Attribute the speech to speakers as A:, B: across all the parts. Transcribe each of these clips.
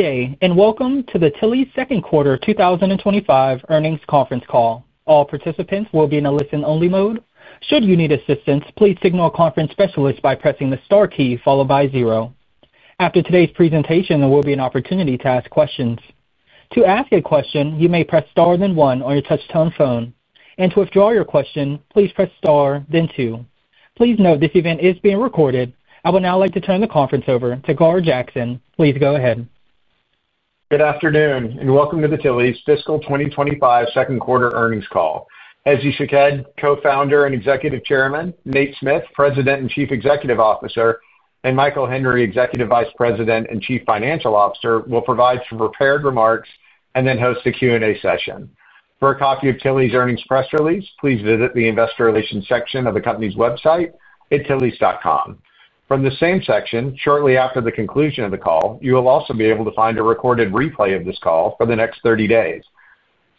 A: Good day, and welcome to the Tilly's Second Quarter twenty twenty five Earnings Conference Call. All participants will be in a listen only mode. After today's presentation, there will be an opportunity to ask questions. Please note this event is being recorded. I would now like to turn the conference over to Gar Jackson. Please go ahead.
B: Good afternoon, and welcome to the Tilly's fiscal twenty twenty five second quarter earnings call. Ezvi Shekhed, Co Founder and Executive Chairman Nate Smith, President and Chief Executive Officer and Michael Henry, Executive Vice President and Chief Financial Officer, will provide some prepared remarks and then host the Q and A session. For a copy of Tilly's earnings press release, please visit the Investor Relations section of the company's website at tilly's.com. From the same section, shortly after the conclusion of the call, you will also be able to find a recorded replay of this call for the next thirty days.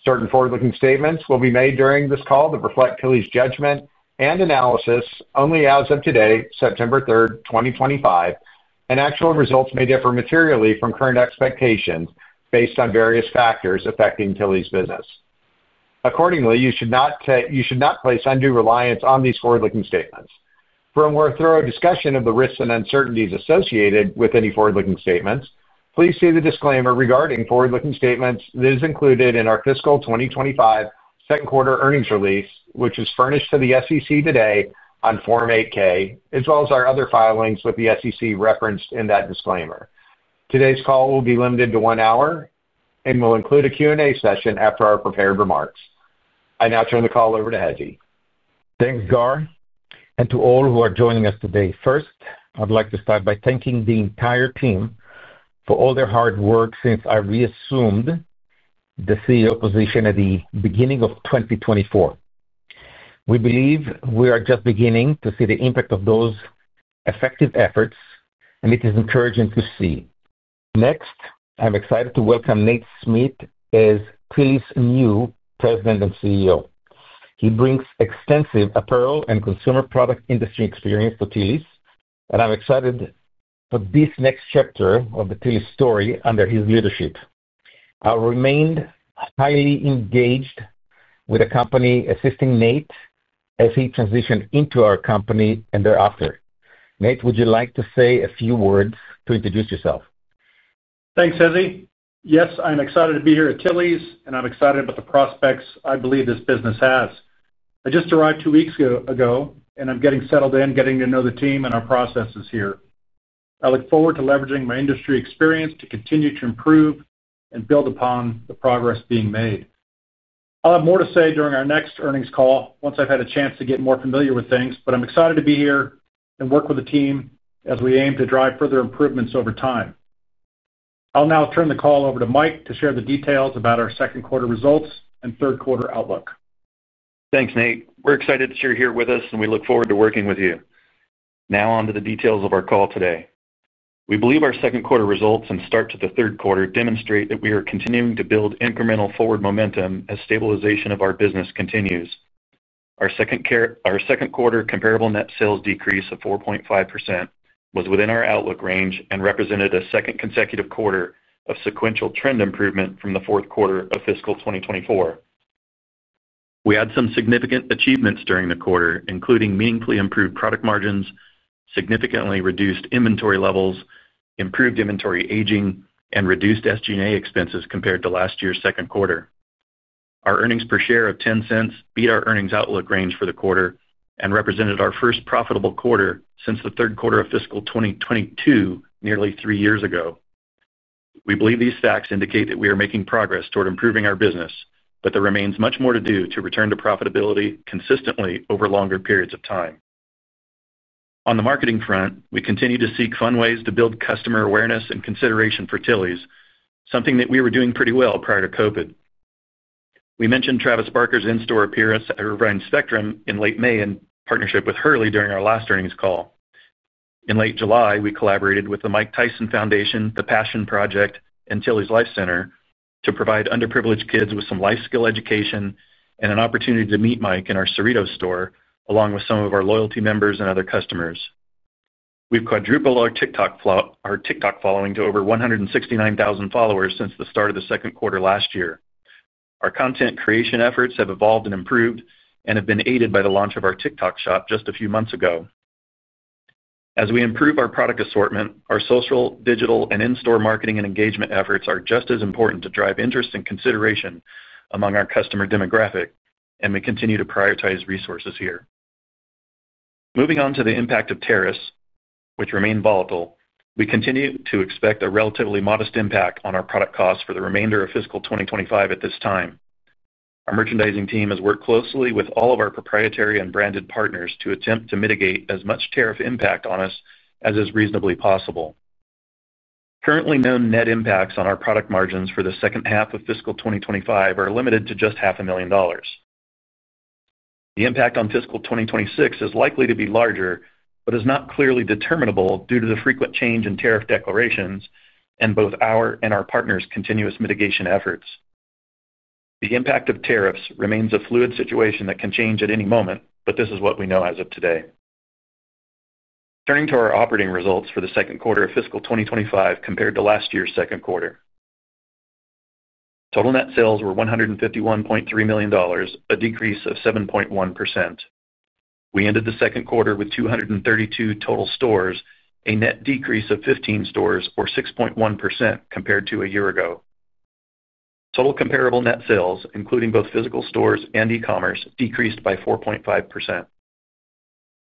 B: Certain forward looking statements will be made during this call that reflect Tilly's judgment and analysis only as of today, 09/03/2025, and actual results may differ materially from current expectations based on various factors affecting Tilly's business. Accordingly, you should not place undue reliance on these forward looking statements. For a more thorough discussion of the risks and uncertainties associated with any forward looking statements, please see the disclaimer regarding forward looking statements that is included in our fiscal twenty twenty five second quarter earnings release, which is furnished to the SEC today on Form eight ks as well as our other filings with the SEC referenced in that disclaimer. Today's call will be limited to one hour and will include a Q and A session after our prepared remarks. I now turn the call over to Hezi.
C: Thanks, Gar, and to all who are joining us today. First, I'd like to start by thanking the entire team for all their hard work since I reassumed the CEO position at the 2024. We believe we are just beginning to see the impact of those effective efforts and it is encouraging to see. Next, I'm excited to welcome Nate Smith as Quilli's new President and CEO. He brings extensive apparel and consumer product industry experience to Thillys, and I'm excited for this next chapter of the Thillys story under his leadership. I remained highly engaged with a company assisting Nate as he transitioned into our company and thereafter. Nate, would you like to say a few words to introduce yourself?
D: Thanks, Ezzy. Yes, I'm excited to be here at Tilly's and I'm excited about the prospects I believe this business has. I just arrived two weeks ago and I'm getting settled in getting to know the team and our processes here. I look forward to leveraging my industry experience to continue to improve and build upon the progress being made. I'll have more to say during our next earnings call once I've had a chance to get more familiar with things, but I'm excited to be here and work with the team as we aim to drive further improvements over time. I'll now turn the call over to Mike to share the details about our second quarter results and third quarter outlook.
E: Thanks, Nate. We're excited that you're here with us and we look forward to working with you. Now on to the details of our call today. We believe our second quarter results and start to the third quarter demonstrate that we are continuing to build incremental forward momentum as stabilization of our business continues. Our quarter comparable net sales decrease of 4.5% was within our outlook range and represented a second consecutive quarter of sequential trend improvement from the 2024. We had some significant achievements during the quarter, including meaningfully improved product margins, significantly reduced inventory levels, improved inventory aging and reduced SG and A expenses compared to last year's second quarter. Our earnings per share of $0.10 beat our earnings outlook range for the quarter and represented our first profitable quarter since the 2022 nearly three years ago. We believe these facts indicate that we are making progress toward improving our business, but there remains much more to do to return to profitability consistently over longer periods of time. On the marketing front, we continue to seek fun ways to build customer awareness and consideration for Tilly's, something that we were doing pretty well prior to COVID. We mentioned Travis Barker's in store appearance at Orion Spectrum in late May in partnership with Hurley during our last earnings call. In late July, we collaborated with the Mike Tyson Foundation, the Passion Project and Tilly's Life Center to provide underprivileged kids with some life skill education and an opportunity to meet Mike in our Cerritos store along with some of our loyalty members and other customers. We've quadrupled our TikTok following to over 169,000 followers since the start the second quarter last year. Our content creation efforts have evolved and improved and have been aided by the launch of our TikTok shop just a few months ago. As we improve our product assortment, our social, digital in store marketing and engagement efforts are just as important to drive interest and consideration among our customer demographic and we continue to prioritize resources here. Moving on to the impact of tariffs, which remain volatile, we continue to expect a relatively modest impact on our product costs for the remainder of fiscal twenty twenty five at this time. Our merchandising team has worked closely with all of our proprietary and branded partners to attempt to mitigate as much tariff impact on us as is reasonably possible. Currently known net impacts on our product margins for the 2025 are limited to just $05,000,000 The impact on fiscal twenty twenty six is likely to be larger, but is not clearly determinable due to the frequent change in tariff declarations and both our and our partners' continuous mitigation efforts. The impact of tariffs remains a fluid situation that can change at any moment, but this is what we know as of today. Turning to our operating results for the 2025 compared to last year's second quarter. Total net sales were $151,300,000 a decrease of 7.1%. We ended the second quarter with two thirty two total stores, a net decrease of 15 stores or 6.1% compared to a year ago. Total comparable net sales including both physical stores and e commerce decreased by 4.5%.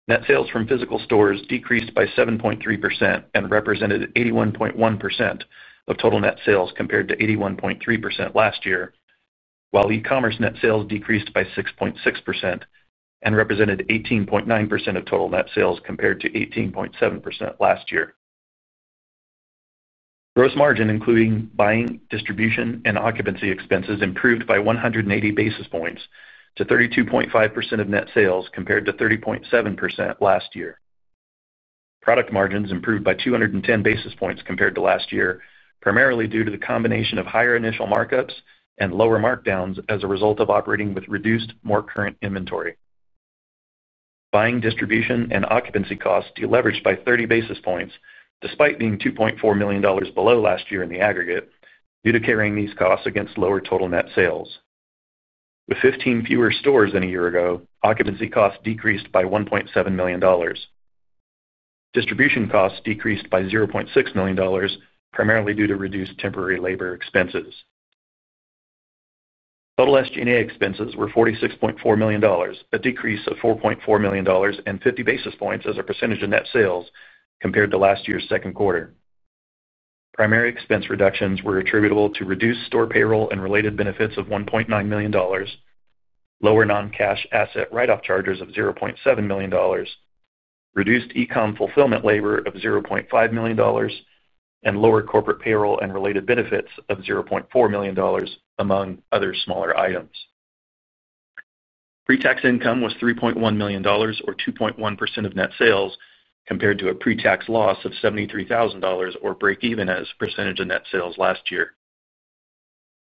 E: Net sales from physical stores decreased by 7.3 and represented 81.1% of total net sales compared to 81.3% last year, while e commerce net sales decreased by 6.6% and represented 18.9% of total net sales compared to 18.7% last year. Gross margin including buying, distribution and occupancy expenses improved by 180 basis points to 32.5% of net sales compared to 30.7% last year. Product margins improved by two ten basis points compared to last year, primarily due to the combination of higher initial markups and lower markdowns as a result of operating with reduced more current inventory. Buying distribution and occupancy costs deleveraged by 30 basis points despite being $2,400,000 below last year in the aggregate due to carrying these costs against lower total net sales. With 15 fewer stores than a year ago, occupancy costs decreased by $1,700,000 Distribution costs decreased by $600,000 primarily due to reduced temporary labor expenses. Total SG and A expenses were $46,400,000 a decrease of 4,400,000 and 50 basis points as a percentage of net sales compared to last year's second quarter. Primary expense reductions were attributable to reduced store payroll and related benefits of $1,900,000 lower non cash asset write off charges of $700,000 reduced e com fulfillment labor of $500,000 and lower corporate payroll and related benefits of $400,000 among other smaller items. Pretax income was $3,100,000 or 2.1% of net sales compared to a pretax loss of $73,000 or breakeven as percentage of net sales last year.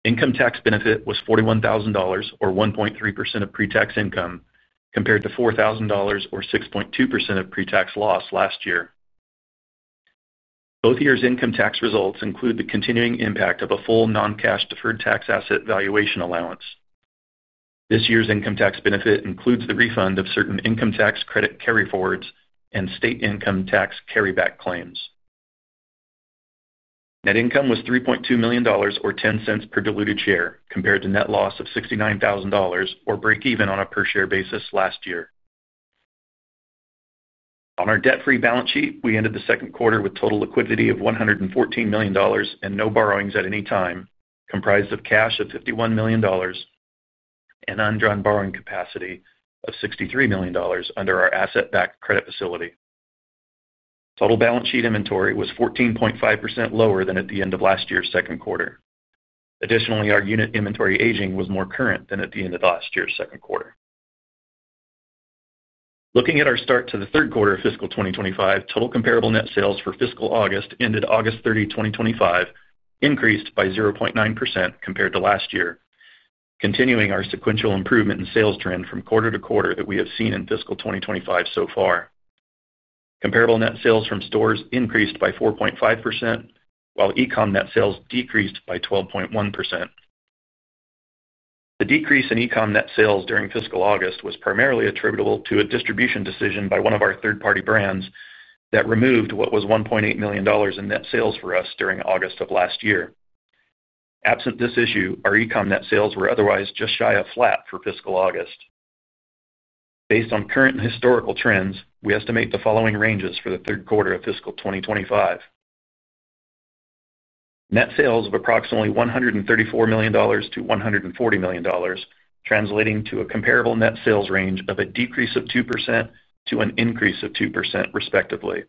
E: Income tax benefit was $41,000 or 1.3% of pre tax income compared to $4,000 or 6.2% of pre tax loss last year. Both year's income tax results include the continuing impact of a full non cash deferred tax asset valuation allowance. This year's income tax benefit includes the refund of certain income tax credit carry forwards and state income tax carry back claims. Net income was $3,200,000 or $0.10 per diluted share compared to net loss of $69,000 or breakeven on a per share basis last year. On our debt free balance sheet, we ended the second quarter with total liquidity of $114,000,000 and no borrowings at any time comprised of cash of $51,000,000 and undrawn borrowing capacity of $63,000,000 under our asset backed credit facility. Total balance sheet inventory was 14.5% lower than at the end of last year's second quarter. Additionally, our unit inventory aging was more current than at the end of last year's second quarter. Looking at our start to the 2025, total comparable net sales for fiscal August ended 08/30/2025 increased by 0.9% compared to last year, continuing our sequential improvement in sales trend from quarter to quarter that we have seen in fiscal twenty twenty five so far. Comparable net sales from stores increased by 4.5%, while ecom net sales decreased by 12.1%. The decrease in ecom net sales during fiscal August was primarily attributable to a distribution decision by one of our third party brands that removed what was $1,800,000 in net sales for us during August. Absent this issue, our ecom net sales were otherwise just shy of flat for fiscal August. Based on current historical trends, we estimate the following ranges for the 2025. Net sales of approximately $134,000,000 to $140,000,000 translating to a comparable net sales range of a decrease of 2% to an increase of 2% respectively.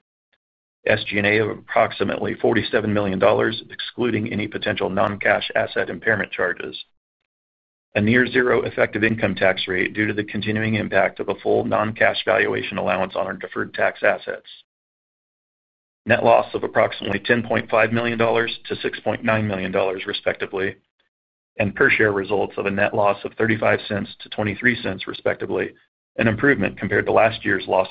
E: SG and A of approximately $47,000,000 excluding any potential non cash asset impairment charges. A near zero effective income tax rate due to the continuing impact of a full non cash valuation allowance on our deferred tax assets, net loss of approximately $10,500,000 to $6,900,000 respectively and per share results of a net loss of $0.35 to $0.23 respectively, an improvement compared to last year's loss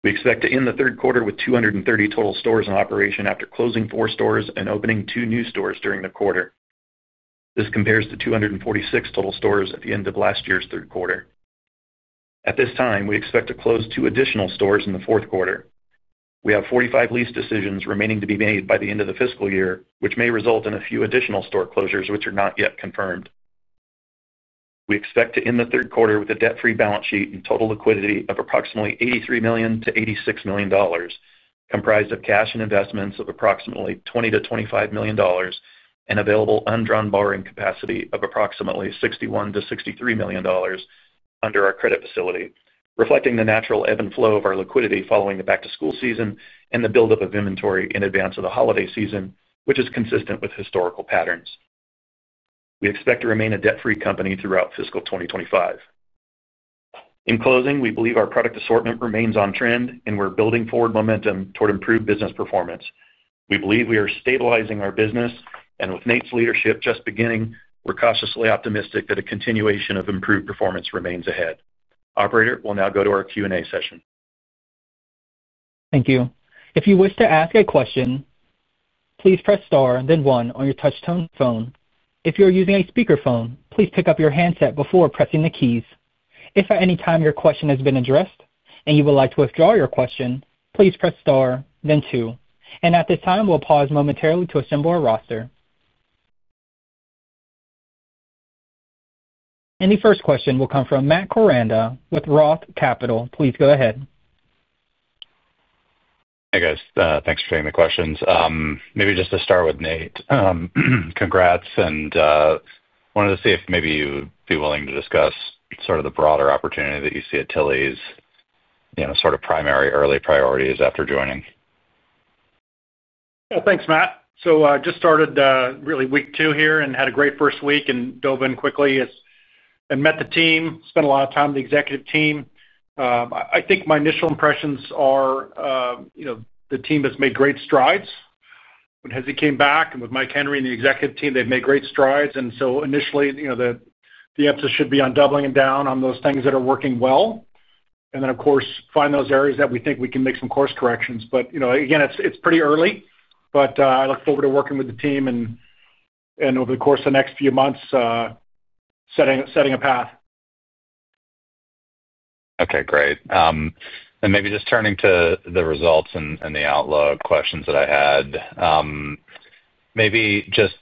E: per share of $0.43 We expect to end the third quarter with two thirty total stores in operation after closing four stores and opening two new stores during the quarter. This compares to two forty six total stores at the end of last year's third quarter. At this time, we expect to close two additional stores in the fourth quarter. We have 45 lease decisions remaining to be made by the end of the fiscal year, which may result in a few additional store closures, which are not yet confirmed. We expect to end the third quarter with a debt free balance sheet and total liquidity of approximately $83,000,000 to $86,000,000 comprised of cash and investments of approximately 20,000,000 to $25,000,000 and available undrawn borrowing capacity of approximately $61,000,000 to $63,000,000 under our credit facility, reflecting the natural ebb and flow of our liquidity following the back to school season and the buildup of inventory in advance of the holiday season, which is consistent with historical patterns. We expect to remain a debt free company throughout fiscal twenty twenty five. In closing, we believe our product assortment remains on trend and we're building forward momentum toward improved business performance. We believe we are stabilizing our business and with Nate's leadership just beginning, we're cautiously optimistic that a continuation of improved performance remains ahead. Operator, we'll now go to our Q and A session.
A: Thank And the first question will come from Matt Koranda with ROTH Capital. Please go ahead.
F: Hey, guys. Thanks for taking the questions. Maybe just to start with Nate. Congrats and wanted to see if maybe you'd be willing to discuss sort of the broader opportunity that you see at Tilly's sort of primary early priorities after joining.
D: Thanks, Matt. So just started really week two here and had a great first week and dove in quickly as I met the team, spent a lot of time with the executive team. I think my initial impressions are the team has made great strides. And as he came back and with Mike Henry and the executive team, they've made great strides. And so initially, the emphasis should be on doubling down on those things that are working well. And then, of course, find those areas that we think we can make some course corrections. But again, it's pretty early. But I look forward to working with the team and over the course of the next few months, setting a path.
F: Okay, great. And maybe just turning to the results and the outlook questions that I had. Maybe just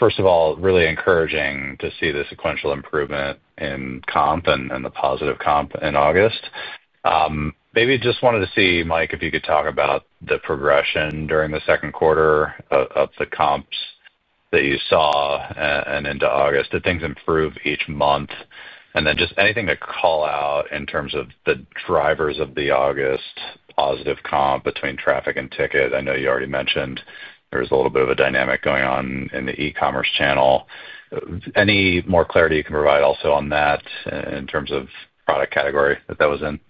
F: first of all, really encouraging to see the sequential improvement in comp and the positive comp in August. Maybe just wanted to see, Mike, if you could talk about the progression during the second quarter of the comps that you saw and into August, did things improve each month? And then just anything to call out in terms of the drivers of the August positive comp between traffic and ticket? I know you already mentioned there's a little bit of a dynamic going on in the e commerce channel. Any more clarity you can provide also on that in terms of product category that that was in?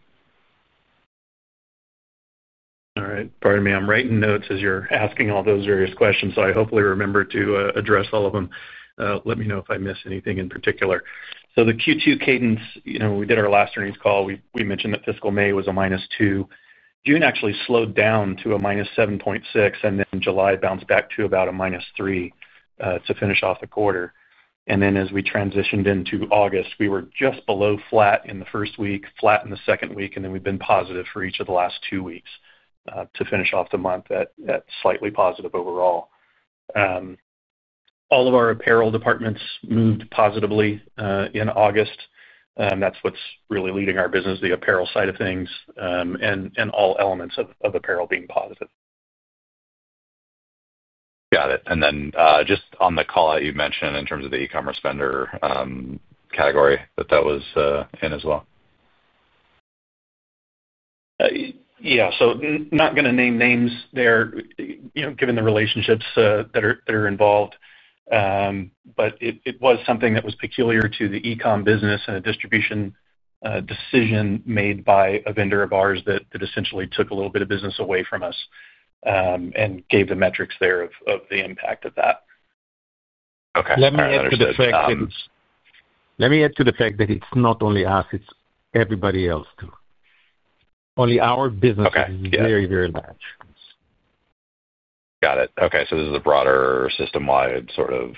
E: All right. Pardon me, I'm writing notes as you're asking all those various questions. So I hopefully remember to address all of them. Let me know if I miss anything in particular. So the Q2 cadence, we did our last earnings call, we mentioned that fiscal May was a minus 2%. June actually slowed down to a minus 7.6 and then July bounced back to about a minus 3% to finish off the quarter. And then as we transitioned into August, we were just below flat in the first week, flat in the second week and then we've been positive for each of the last two weeks to finish off the month at slightly positive overall. All of our apparel departments moved positively in August. That's what's really leading our business, the apparel side of things, and all elements of apparel being positive.
F: Got it. And then, just on the callout you mentioned in terms of the e commerce spender category that that was in as well?
E: Yes. So not going to name names there given the relationships that involved. But it was something that was peculiar to the e com business and a distribution decision made by a vendor of ours that essentially took a little bit of business away from us, and gave the metrics there of the impact of that. Me add the that
C: it's not only us, it's everybody else too. Only our business is Got very, very
F: it. Okay. So this is a broader system wide sort of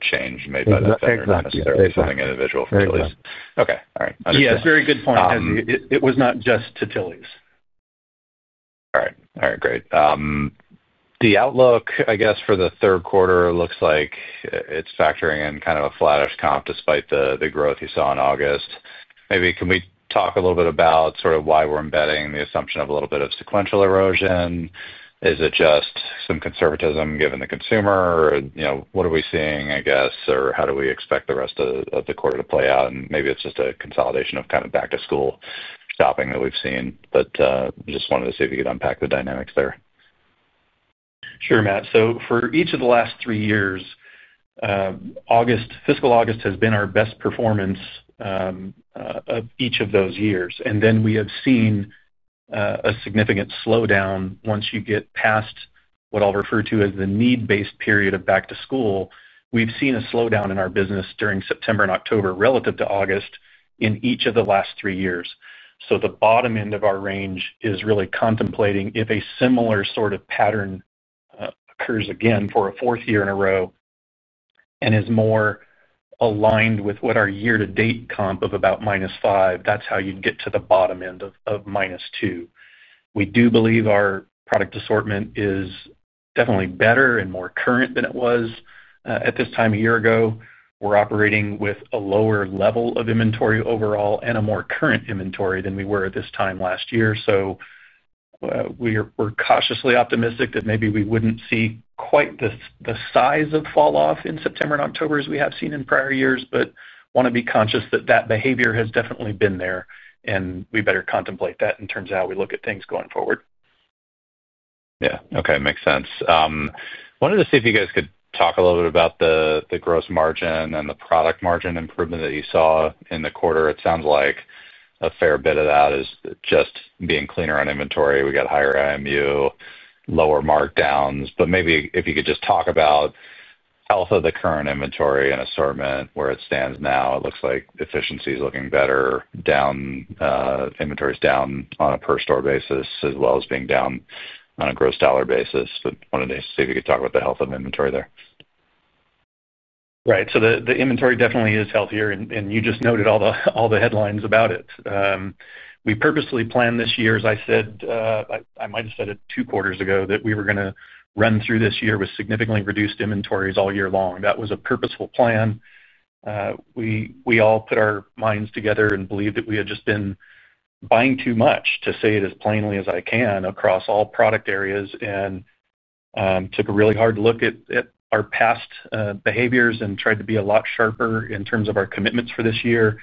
F: change made by the vendor not necessarily something individual for Tilly's. Okay.
E: All right. Yes. That's a very good point, Henry. It was not just to Tilly's. All right.
F: All right, great. The outlook, I guess, the third quarter, it looks like it's factoring in kind of a flattish comp despite the growth you saw in August. Maybe can we talk a little bit about sort of why we're embedding the assumption of a little bit of sequential erosion? Is it just some conservatism given the consumer? What are we seeing, I guess? Or how do we expect the rest of the quarter to play out? And maybe it's just a consolidation of kind of back to school stopping that we've seen. But just wanted to see if you could unpack the dynamics there?
E: Sure, Matt. So for each of the last three years, August fiscal August has been our best performance of each of those years. And then we have seen a significant slowdown once you get past what I'll refer to as the need based period of back to school. We've seen a slowdown in our business during September and October relative to August in each of the last three years. So the bottom end of our range is really contemplating if a similar sort of pattern occurs again for a fourth year in a row and is more aligned with what our year to date comp of about minus five percent, that's how you get to the bottom end of minus 2%. We do believe our product assortment is definitely better and more current than it was at this time a year ago. We're operating with a lower level of inventory overall and a more current inventory than we were at this time last year. So we're cautiously optimistic that maybe we wouldn't see quite the size of fall off in September and October as we have seen in prior years, but want to be conscious that that behavior has definitely been there and we better contemplate that in terms of how we look at things going forward.
F: Yes. Okay. Makes sense. Wanted to see if you guys could talk a little bit about the gross margin and the product margin improvement that you saw in the quarter. It sounds like a fair bit of that is just being cleaner on inventory. We got higher IMU, lower markdowns. But maybe if you could just talk about alpha the current inventory and assortment where it stands now, it looks like efficiency is looking better down, inventories down on a per store basis as well as being down on a gross dollar basis. But wanted to see if you could talk about the health of inventory there.
E: Right. So the inventory definitely is healthier and you just noted all the headlines about it. We purposely planned this year as I said, I might have said it two quarters ago that we were going to run through this year with significantly reduced inventories all year long. That was a purposeful plan. We all put our minds together and believe that we had just been buying too much to say it as plainly as I can across all product areas and, took a really hard look at our past behaviors and tried to be a lot sharper in terms of our commitments for this year and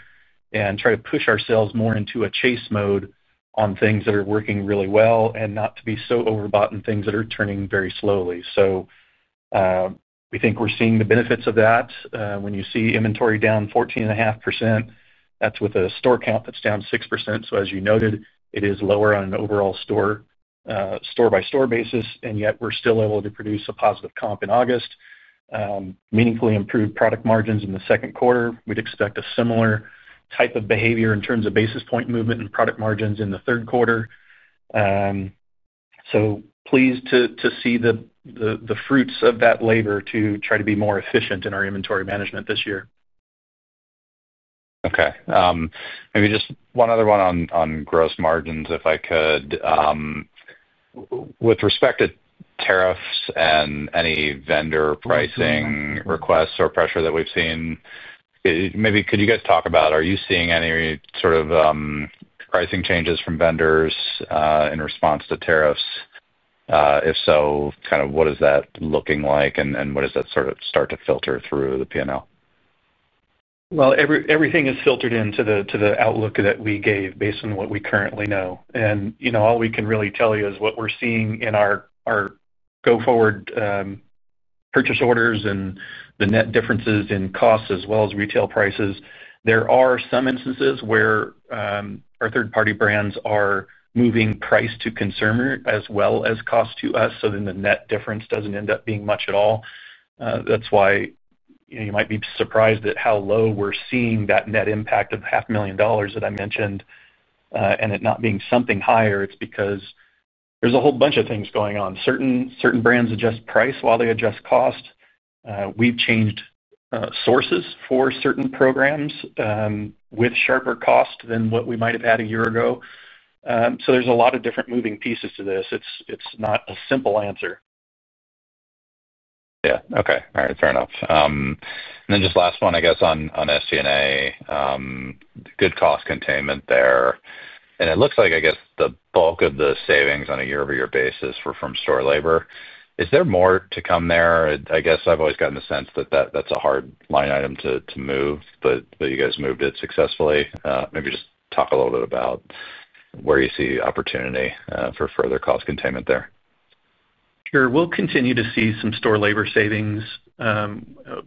E: try to push ourselves more into a chase mode on things that are working really well and not to be so overbought and things that are turning very slowly. So, we think we're seeing the benefits of that. When you see inventory down 14.5%, that's with a store count that's down 6%. So as you noted, it is lower on an overall store by store basis and yet we're still able to produce a positive comp in August, meaningfully improved product margins in the second quarter. We'd expect a similar type of behavior in terms of basis point movement in product margins in the third quarter. So pleased to see the fruits of that labor to try to be more efficient in our inventory management this year.
F: Okay. Maybe just one other one on gross margins, if I could. With respect to tariffs and any vendor pricing requests or pressure that we've seen, Maybe could you guys talk about, are you seeing any sort of pricing changes from vendors in response to tariffs? If so, kind of what is that looking like? And what does that sort of start to filter through the P and L?
E: Well, everything is filtered into the outlook that we gave based on what we currently know. And all we can really tell you is what we're seeing in our go forward purchase orders and the net differences in costs as well as retail prices. There are some instances where our third party brands are moving price to consumer as well as cost to us, so then the net difference doesn't end up being much at all. That's why you might be surprised at how low we're seeing that net impact of $500,000 that I mentioned, and it not being something higher. It's because there's a whole bunch of things going on. Certain brands adjust price while they adjust cost. We've changed sources for certain programs, with sharper cost than what we might have had a year ago. So there's a lot of different moving pieces to this. It's not a simple answer.
F: Yes. Okay. All right. Fair enough. And then just last one, I guess, on SG and A. Good cost containment there. And it looks like, I guess, the bulk of the savings on a year over year basis were from store labor. Is there more to come there? I guess I've always gotten the sense that that's a hard line item to move, but you guys moved it successfully. Maybe just talk a little bit about where you see opportunity for further cost containment there?
E: Sure. We'll continue to see some store labor savings,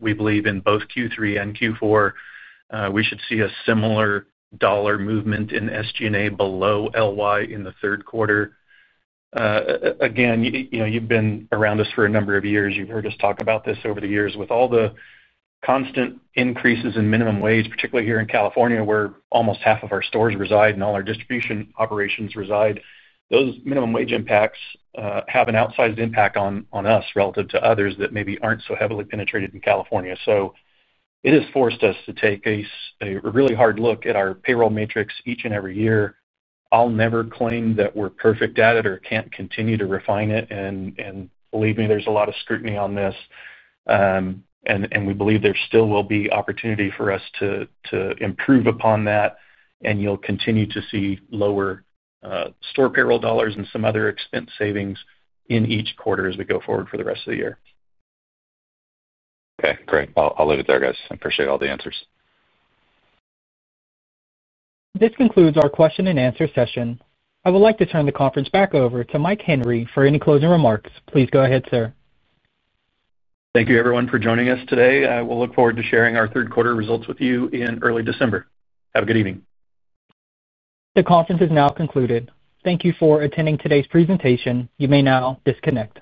E: we believe in both Q3 and Q4. We should see a similar dollar movement in SG and A below LY in the third quarter. Again, you've been around us for a number of years. You've heard us talk about this over the years. With all the constant increases in minimum wage, particularly here in California where almost half of our stores reside and all our distribution operations reside, those minimum wage impacts, have an outsized impact on us relative to others that maybe aren't so heavily penetrated in California. So it has forced us to take a really hard look at our payroll matrix each and every year. I'll never claim that we're perfect at it or can't continue to refine it. And believe me, there's a lot of scrutiny on this. And we believe there still will be opportunity for us to improve upon that and you'll continue to see lower store payroll dollars and some other expense savings in each quarter as we go forward for the rest of the year.
F: Okay, great. I'll leave it there guys. I appreciate all the answers.
A: This concludes our question and answer session. I would like to turn the conference back over to Mike Henry for any closing remarks. Please go ahead, sir.
E: Thank you, everyone, for joining us today. I will look forward to sharing our third quarter results with you in early December. Have a good evening.
A: The conference is now concluded. Thank you for attending today's presentation. You may now disconnect.